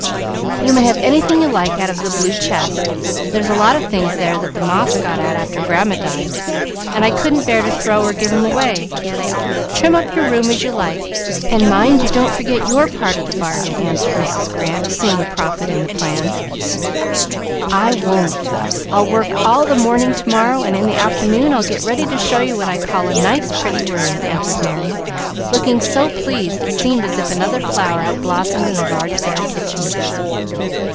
"You may have anything you like out of the blue chest. There's a lot of things there that the moths got at after Grandma died, and I couldn't bear to throw or give 'em away. Trim up your room as you like, and mind you don't forget your part of the bargain," answered Mrs. Grant, seeing profit in the plan. "I won't; I'll work all the morning to morrow, and in the afternoon I'll get ready to show you what I call a nice, pretty room," answered Merry, looking so pleased it seemed as if another flower had blossomed in the large bare kitchen.